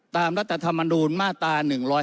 ตามรัฐธรรมดูลมาตร๑๕๙